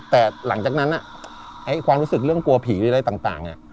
แต่หลังจากนั้นความรู้สึกเรื่องกลัวผีหรืออะไรต่าง